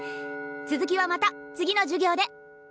続きはまた次の授業で。